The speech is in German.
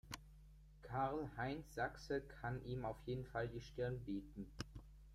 Karl-Heinz Sachse kann ihm auf jeden Fall die Stirn bieten.